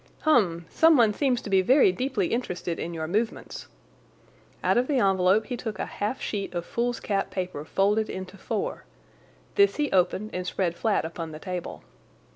"Hum! Someone seems to be very deeply interested in your movements." Out of the envelope he took a half sheet of foolscap paper folded into four. This he opened and spread flat upon the table.